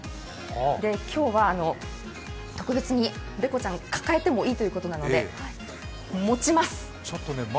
今日は、特別にベコちゃん抱えてもいいということなので、持ちます。